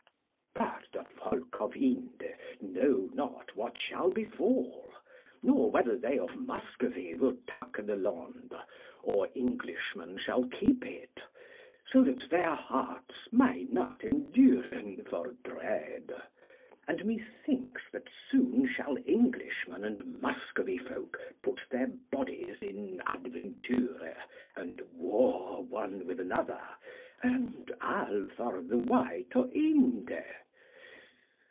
But the folk of Ynde know not what shall befall, nor whether they of Muscovy will take the Lond, or Englishmen shall keep it, so that their hearts may not enduren for drede. And methinks that soon shall Englishmen and Muscovy folk put their bodies in adventure, and war one with another, and all for the way to Ynde.